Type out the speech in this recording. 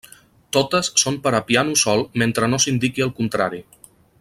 Totes són per a piano sol mentre no s'indiqui el contrari.